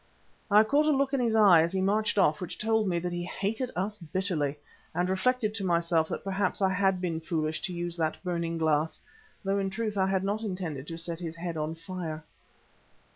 I caught a look in his eye as he marched off which told me that he hated us bitterly, and reflected to myself that perhaps I had been foolish to use that burning glass, although in truth I had not intended to set his head on fire.